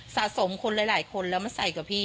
สะสมคนหลายคนแล้วมาใส่กับพี่